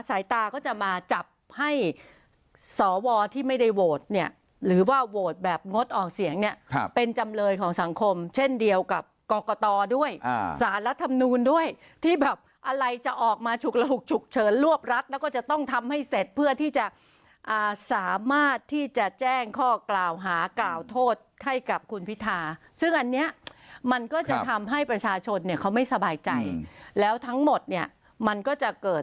สายตาก็จะมาจับให้สวที่ไม่ได้โหวตเนี่ยหรือว่าโหวตแบบงดออกเสียงเนี่ยเป็นจำเลยของสังคมเช่นเดียวกับกรกตด้วยสารรัฐมนูลด้วยที่แบบอะไรจะออกมาฉุกระหุกฉุกเฉินรวบรัฐแล้วก็จะต้องทำให้เสร็จเพื่อที่จะสามารถที่จะแจ้งข้อกล่าวหากล่าวโทษให้กับคุณพิธาซึ่งอันนี้มันก็จะทำให้ประชาชนเนี่ยเขาไม่สบายใจแล้วทั้งหมดเนี่ยมันก็จะเกิด